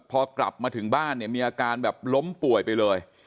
พอกลับมาถึงบ้านเนี่ยมีอาการแบบล้มป่วยไปเลย